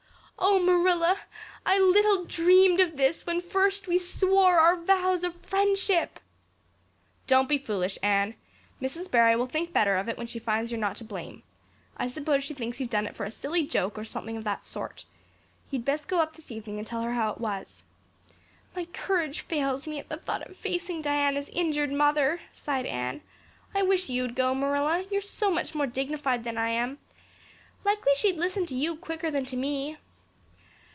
Oh, Marilla, I little dreamed of this when first we swore our vows of friendship." "Don't be foolish, Anne. Mrs. Barry will think better of it when she finds you're not to blame. I suppose she thinks you've done it for a silly joke or something of that sort. You'd best go up this evening and tell her how it was." "My courage fails me at the thought of facing Diana's injured mother," sighed Anne. "I wish you'd go, Marilla. You're so much more dignified than I am. Likely she'd listen to you quicker than to me."